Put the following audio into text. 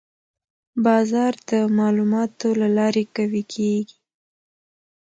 بازار د معلوماتو له لارې قوي کېږي.